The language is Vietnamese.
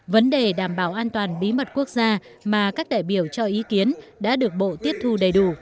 vấn đề đảm bảo an toàn bí mật quốc gia mà các đại biểu cho ý kiến đã được bộ tiếp thu đầy đủ